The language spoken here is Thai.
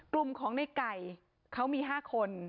กลุ่มของในไก่เขามี๕คน